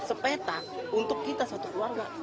sepeta untuk kita satu keluarga